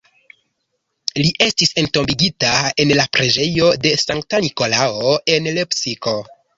Li estis entombigita en la Preĝejo de Sankta Nikolao, en Lepsiko.